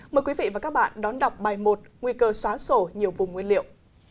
mời quý vị và các bạn đón đọc bài một nguy cơ xóa sổ nhiều vùng nguyên liệu